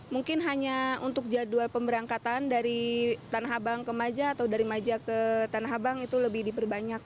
mungkin hanya untuk jadwal pemberangkatan dari tanah abang ke maja atau dari maja ke tanah abang itu lebih diperbanyak